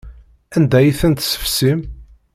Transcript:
Anda ay ten-tessefsim?